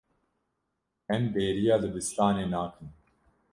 Em bêriya dibistanê nakin.